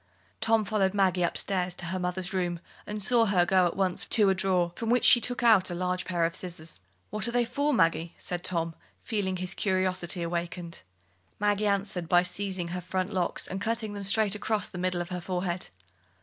Tom followed Maggie upstairs into her mother's room, and saw her go at once to a drawer from which she took out a large pair of scissors. "What are they for, Maggie?" said Tom, feeling his curiosity awakened. Maggie answered by seizing her front locks and cutting them straight across the middle of her forehead.